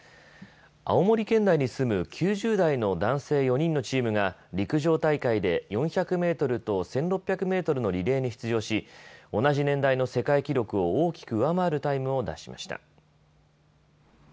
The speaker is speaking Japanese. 青森県内に住む９０代の男性４人のチームが陸上大会で４００メートルと１６００メートルのリレーに出場し同じ年代の世界記録を大きく上回るタイムを出しました。